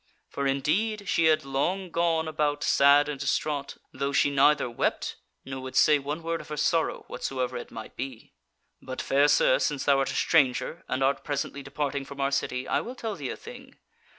For indeed she had long gone about sad and distraught, though she neither wept, nor would say one word of her sorrow, whatsoever it might be. "But, fair sir, since thou art a stranger, and art presently departing from our city, I will tell thee a thing.